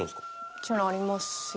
もちろんありますよ。